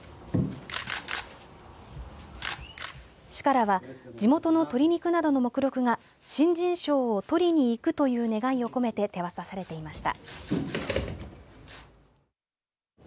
市からは地元の鶏肉などの目録が新人賞をとりにいく、という願いを込めて手渡されていました。